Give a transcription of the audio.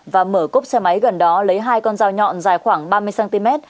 và mở cốp xe máy gần đó lấy hai con dao nhọn dài khoảng ba mươi cm